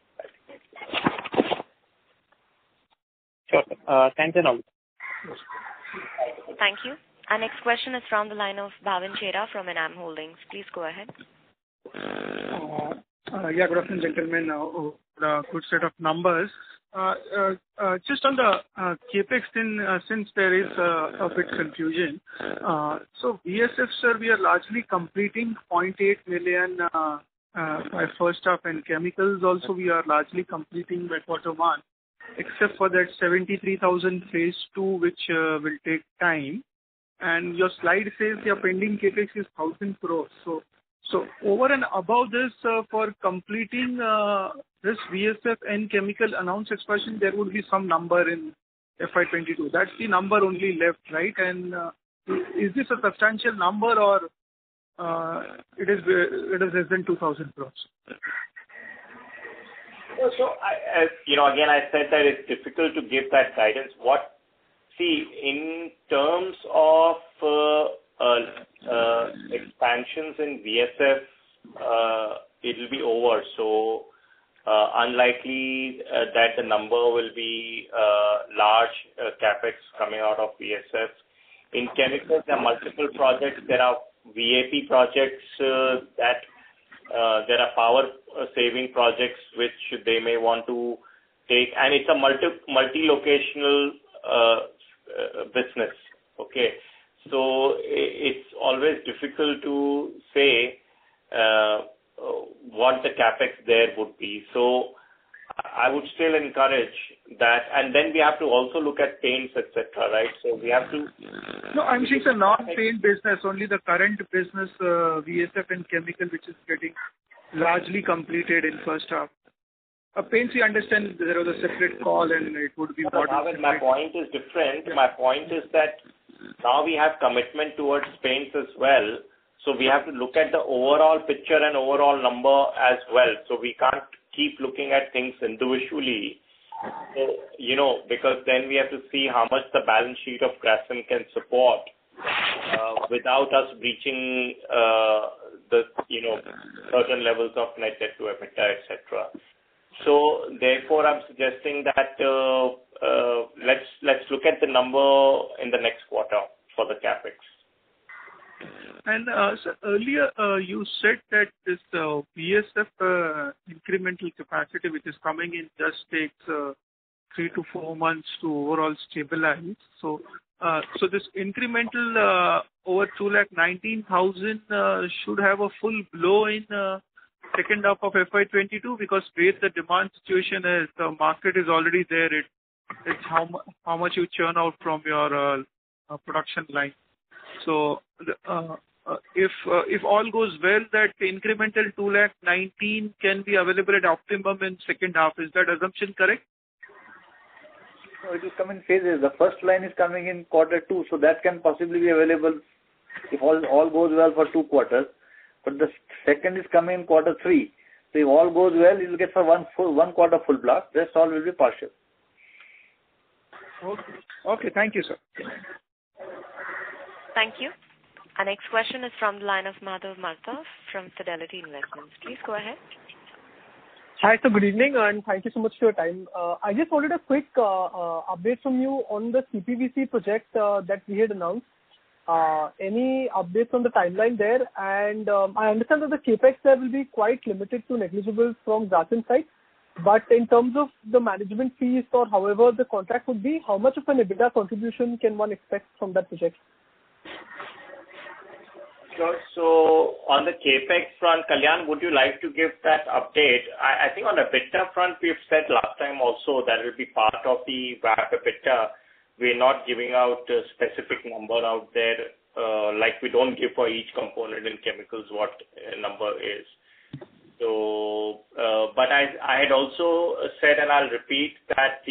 Sure. Thanks a lot. Thank you. Our next question is from the line of Bhavin Chheda from Enam Holdings. Please go ahead. Good afternoon, gentlemen. Good set of numbers. Just on the CapEx, since there is a bit confusion. VSF, sir, we are largely completing 0.8 million by first half and chemicals also, we are largely completing by quarter one, except for that 73,000 phase two which will take time. Your slide says your pending CapEx is 1,000 crore. Over and above this, for completing this VSF and chemical announced expansion, there will be some number in FY 2022. That's the number only left, right? Is this a substantial number or it is less than 2,000 crore? I said that it's difficult to give that guidance. In terms of expansions in VSF, it will be over. Unlikely that the number will be large CapEx coming out of VSF. In chemicals, there are multiple projects. There are VAP projects, there are power saving projects, which they may want to take, and it's a multi-locational business. Okay? It's always difficult to say what the CapEx there would be. We have to also look at paints, et cetera, right? No, I'm saying it's a non-paint business, only the current business, VSF and chemical, which is getting largely completed in first half. Paints we understand there was a separate call and it would be. No, Bhavin, my point is different. My point is that now we have commitment towards paints as well. We have to look at the overall picture and overall number as well. We can't keep looking at things individually, because then we have to see how much the balance sheet of Grasim can support without us reaching certain levels of net debt-to-EBITDA, et cetera. Therefore, I'm suggesting that let's look at the number in the next quarter for the CapEx. Sir, earlier you said that this VSF incremental capacity which is coming in just takes three to four months to overall stabilize. This incremental over 219,000 should have a full blow in second half of FY 2022 because way the demand situation is, the market is already there. It is how much you churn out from your production line. If all goes well, that incremental 219,000 can be available at optimum in second half. Is that assumption correct? No, it will come in phases. The first line is coming in quarter two, so that can possibly be available if all goes well for two quarters. The second is coming in quarter three. If all goes well, you'll get for one quarter full blast. Rest all will be partial. Okay. Thank you, sir. Thank you. Our next question is from the line of Madhav Marda from Fidelity Investments. Please go ahead. Hi. Good evening, and thank you so much for your time. I just wanted a quick update from you on the CPVC project that we had announced. Any updates on the timeline there? I understand that the CapEx there will be quite limited to negligible from Grasim's side. In terms of the management fees or however the contract would be, how much of an EBITDA contribution can one expect from that project? Sure. On the CapEx front, Kalyan, would you like to give that update? I think on EBITDA front, we've said last time also that it will be part of the VAP EBITDA. We're not giving out a specific number out there. Like we don't give for each component in chemicals what number is. I had also said, and I'll repeat that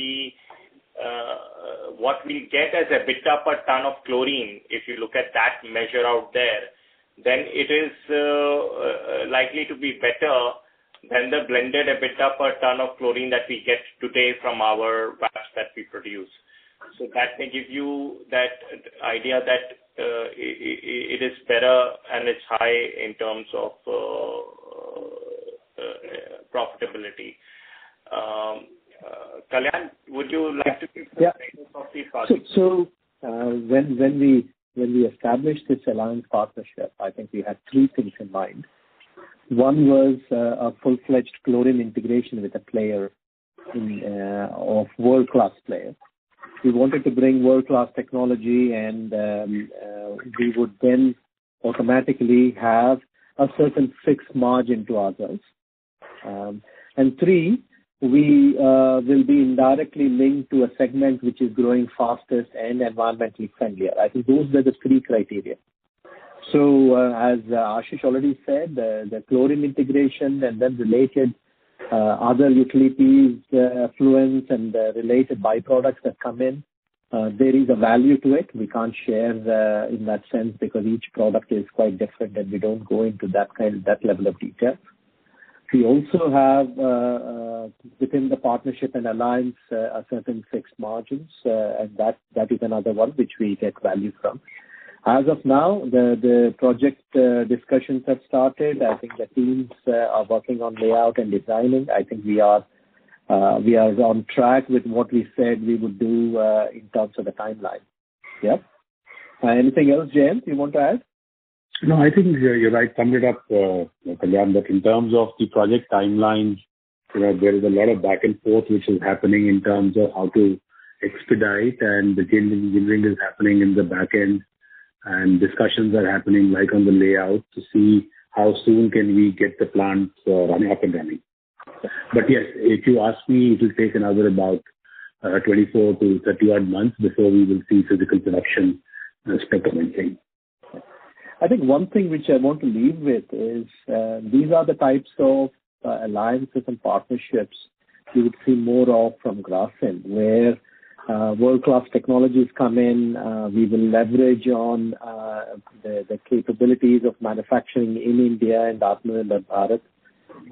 what we get as EBITDA per ton of chlorine, if you look at that measure out there, then it is likely to be better than the blended EBITDA per ton of chlorine that we get today from our VAPs that we produce. That may give you that idea that it is better and it's high in terms of profitability. Kalyan, would you like to give the status of the project? When we established this alliance partnership, I think we had three things in mind. One was a full-fledged chlorine integration with a world-class player. We wanted to bring world-class technology and we would then automatically have a certain fixed margin to ourselves. Three, we will be indirectly linked to a segment which is growing fastest and environmentally friendlier. I think those were the three criteria. As Ashish already said, the chlorine integration and then related other utilities, effluents and related by-products that come in, there is a value to it. We can't share in that sense because each product is quite different and we don't go into that level of detail. We also have within the partnership and alliance, a certain fixed margins, and that is another one which we get value from. As of now, the project discussions have started. I think the teams are working on layout and designing. I think we are on track with what we said we would do in terms of the timeline. Yeah. Anything else, Jayant, you want to add? I think you right summed it up, Kalyan. In terms of the project timelines, there is a lot of back and forth which is happening in terms of how to expedite and the engineering is happening in the back end and discussions are happening right on the layout to see how soon can we get the plant running up and running. Yes, if you ask me, it will take another about 24-30 odd months before we will see physical production specs of anything. I think one thing which I want to leave with is, these are the types of alliances and partnerships we would see more of from Grasim, where world-class technologies come in. We will leverage on the capabilities of manufacturing in India, and Atmanirbhar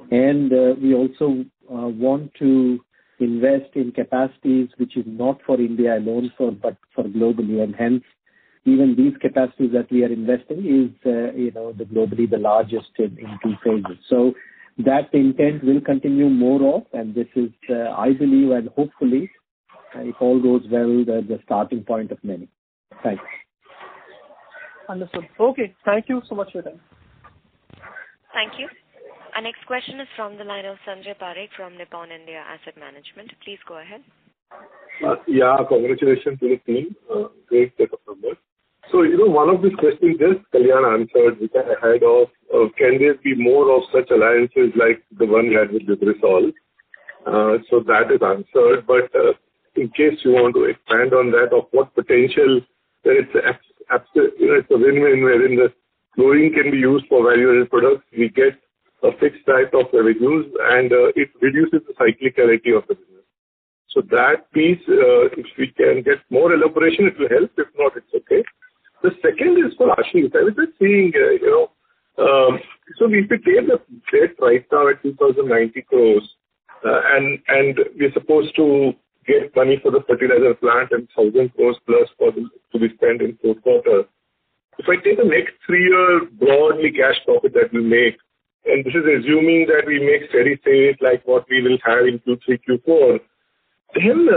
Bharat. We also want to invest in capacities which is not for India alone, but for globally. Hence, even these capacities that we are investing is globally the largest in two phases. That intent will continue more of, and this is, I believe and hopefully, if all goes well, the starting point of many. Thanks. Understood. Okay. Thank you so much for your time. Thank you. Our next question is from the line of Sanjay Parekh from Nippon India Asset Management. Please go ahead. Congratulations to the team. Great set of numbers. One of these questions just Kalyan answered, which I had of, can there be more of such alliances like the one we had with Lubrizol? That is answered. In case you want to expand on that of what potential there is, it's a win-win wherein the chlorine can be used for value-added products. We get a fixed type of revenues, and it reduces the cyclicality of the business. That piece, if we can get more elaboration, it will help. If not, it's okay. The second is for Ashish. I was just seeing, we became the debt right now at 2,090 crore, and we're supposed to get money for the fertilizer plant and 1,000+ crore to be spent in fourth quarter. If I take the next three year broadly cash profit that we make, and this is assuming that we make steady state like what we will have in Q3, Q4, then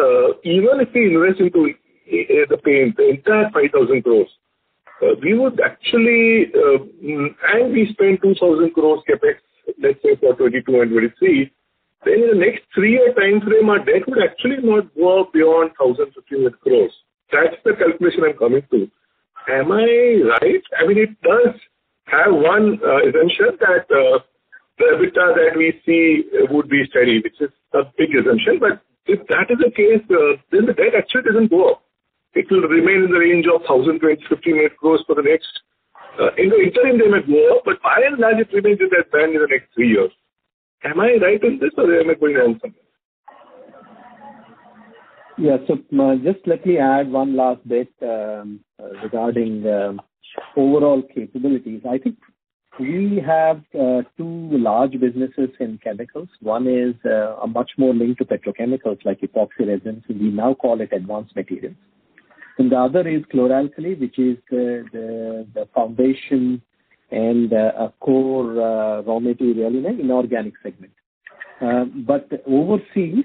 even if we invest into the entire INR 5,000 crore, and we spend 2,000 crore CapEx, let's say for 2022 and 2023, then in the next three-year timeframe, our debt would actually not go up beyond 1,000-200 crore. That's the calculation I'm coming to. Am I right? It does have one assumption that the EBITDA that we see would be steady, which is a big assumption. If that is the case, then the debt actually doesn't go up. It will remain in the range of 1,000-1,500 crore. In the interim they may go up, by and large, it remains in that band in the next three years. Am I right on this or am I going wrong somewhere? Yeah, just let me add one last bit regarding overall capabilities. I think we have two large businesses in chemicals. One is a much more linked to petrochemicals like epoxy resins. We now call it advanced materials. The other is Chlor-alkali, which is the foundation and a core raw material in inorganic segment. Overseas,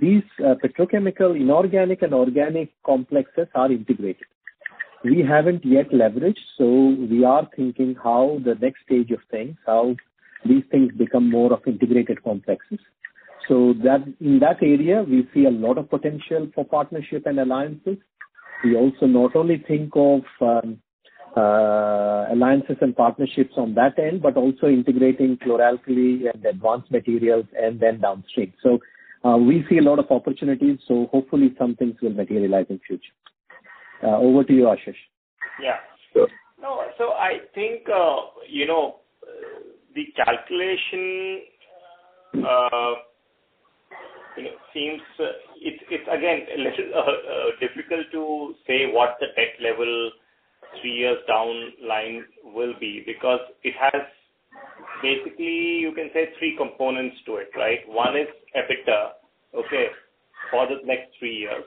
these petrochemical inorganic and organic complexes are integrated. We haven't yet leveraged, so we are thinking how the next stage of things, how these things become more of integrated complexes. In that area, we see a lot of potential for partnership and alliances. We also not only think of alliances and partnerships on that end, but also integrating Chlor-alkali and advanced materials and then downstream. We see a lot of opportunities. Hopefully, some things will materialize in future. Over to you, Ashish. Yeah. I think, the calculation seems. It's again, difficult to say what the debt level three years down line will be because it has basically, you can say three components to it, right? One is EBITDA, okay, for the next three years.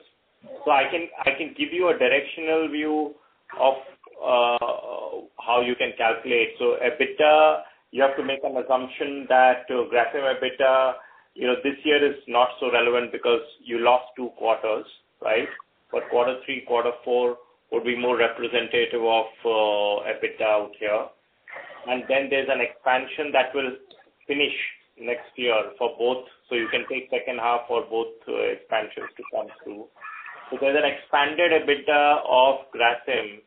I can give you a directional view of how you can calculate. EBITDA, you have to make an assumption that Grasim EBITDA this year is not so relevant because you lost two quarters, right? Quarter three, quarter four would be more representative of EBITDA out here. Then there's an expansion that will finish next year for both. You can take second half for both expansions to come through. There's an expanded EBITDA of Grasim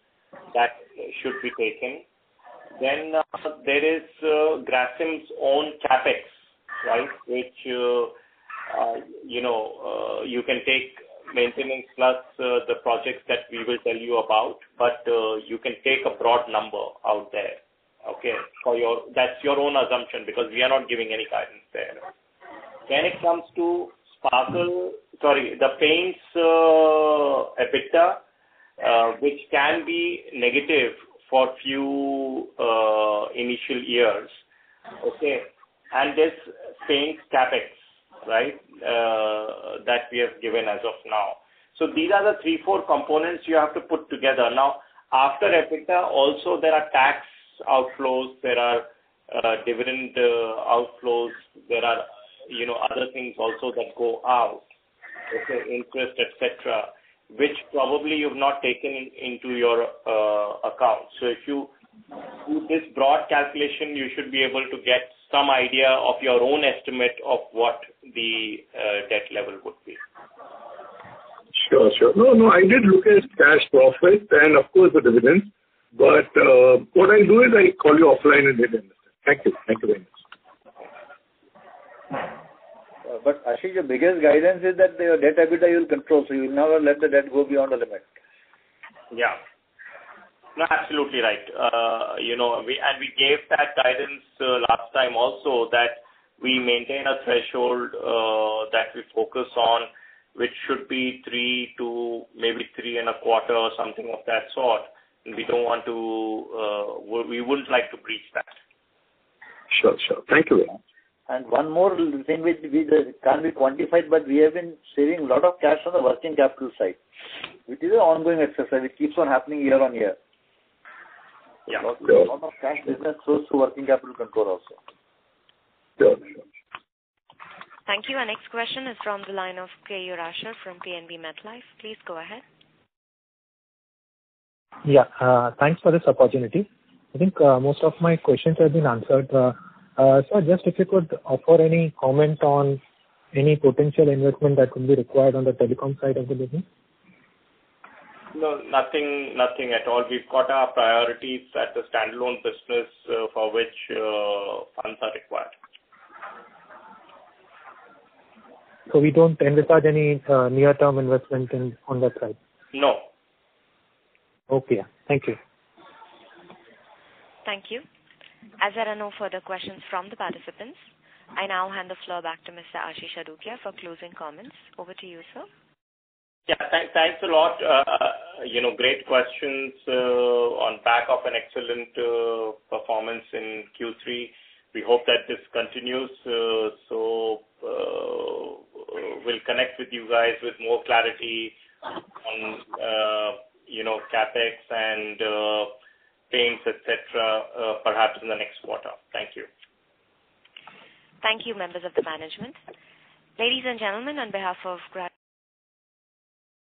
that should be taking. Then there is Grasim's own CapEx, right? You can take maintenance plus the projects that we will tell you about, but you can take a broad number out there, okay? That's your own assumption because we are not giving any guidance there. It comes to the paints EBITDA which can be negative for few initial years, okay? This paints CapEx that we have given as of now. These are the three, four components you have to put together. Now, after EBITDA, also there are tax outflows, there are dividend outflows, there are other things also that go out, okay? Interest, et cetera, which probably you've not taken into your account. If you do this broad calculation, you should be able to get some idea of your own estimate of what the debt level would be. Sure. I did look at cash profit and, of course, the dividends. What I'll do is I call you offline and get in touch. Thank you. Thank you very much. Ashish, your biggest guidance is that their debt EBITDA you'll control. You will never let the debt go beyond the limit. Yeah. No, absolutely right. We gave that guidance last time also, that we maintain a threshold that we focus on, which should be three to maybe three and a quarter or something of that sort. We wouldn't like to breach that. Sure. Thank you. One more thing which can't be quantified, but we have been saving a lot of cash on the working capital side. It is an ongoing exercise, it keeps on happening year-on-year. Yeah. Sure. A lot of cash business goes through working capital control also. Sure. Thank you. Our next question is from the line of Keyur Shah from PNB MetLife. Please go ahead. Thanks for this opportunity. I think most of my questions have been answered. Sir, just if you could offer any comment on any potential investment that could be required on the telecom side of the business. No, nothing at all. We've got our priorities at the standalone business, for which funds are required. We don't envisage any near-term investment on that side? No. Okay. Thank you. Thank you. As there are no further questions from the participants, I now hand the floor back to Mr. Ashish Adukia for closing comments. Over to you, sir. Yeah, thanks a lot. Great questions on back of an excellent performance in Q3. We hope that this continues. We'll connect with you guys with more clarity on CapEx and paints, et cetera, perhaps in the next quarter. Thank you. Thank you, members of the management. Ladies and gentlemen, on behalf of Grasim